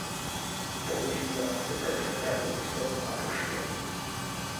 Používala se pro přepravu osob a pošty.